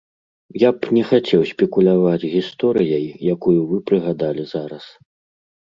Я б не хацеў спекуляваць гісторыяй, якую вы прыгадалі зараз.